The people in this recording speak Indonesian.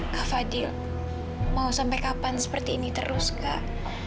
kak fadil mau sampai kapan seperti ini terus kak